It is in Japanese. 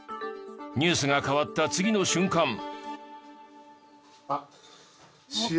ニュースが変わった次の瞬間。